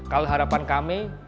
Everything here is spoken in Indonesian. kalau harapan kami